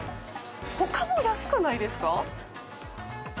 他も安くないですか？